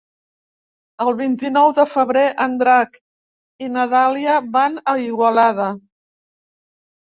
El vint-i-nou de febrer en Drac i na Dàlia van a Igualada.